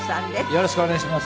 よろしくお願いします。